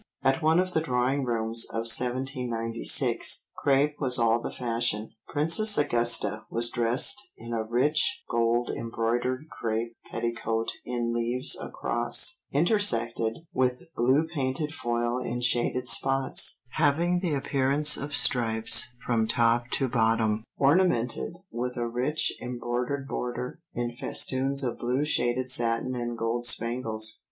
At one of the Drawing Rooms of 1796 crape was all the fashion; Princess Augusta was dressed in "a rich gold embroidered crape petticoat in leaves across, intersected with blue painted foil in shaded spots, having the appearance of stripes from top to bottom; ornamented with a rich embroidered border in festoons of blue shaded satin and gold spangles.